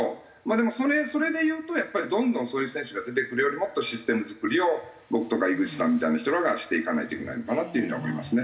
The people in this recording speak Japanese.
でもそれでいうとやっぱりどんどんそういう選手が出てくるようなもっとシステム作りを僕とか井口さんみたいな人らがしていかないといけないのかなっていう風には思いますね。